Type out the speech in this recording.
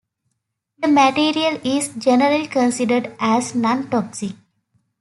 The material is generally considered as non-toxic.